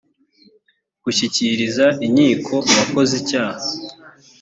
gushyikiriza inkiko uwakoze icyaha